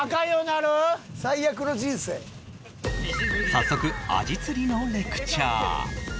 早速アジ釣りのレクチャー